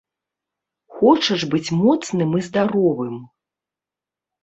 Хочаш быць моцным і здаровым?